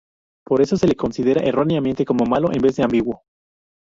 Por eso se lo considera erróneamente como malo, en vez de ambiguo.